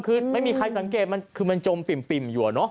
คือไม่มีใครสังเกตคือมันจมปิ่มอยู่